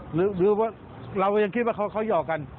หรือเราก็ยังคิดว่าเขาหยอกกัน